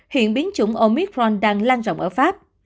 hiện biến chủng omicron đang lan rộng ở pháp